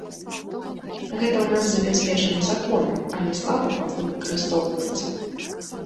Гэта ў нас забяспечана законам, але слаба пакуль выкарыстоўваецца.